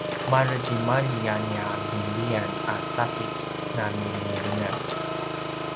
maretimalji a nia vinlian a sapitj na milimilingan